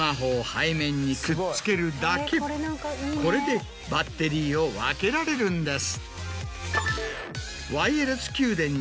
これでバッテリーを分けられるんです。